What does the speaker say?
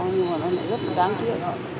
nhưng mà nó lại rất là đáng tiếc